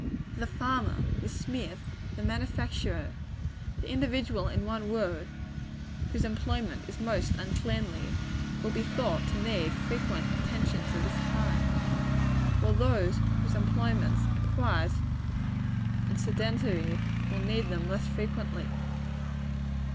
The farmer, the smith, the manufacturer the individual, in one word, whose employment is most uncleanly will be thought to need frequent attentions of this kind, while those whose employments are quiet and sedentary, will need them less frequently.